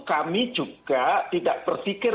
kami juga tidak berpikir